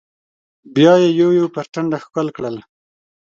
بيا يې يو يو پر ټنډه ښکل کړل.